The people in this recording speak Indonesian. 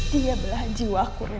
dia belah jiwaku reno